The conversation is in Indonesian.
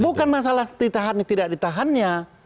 bukan masalah ditahan tidak ditahannya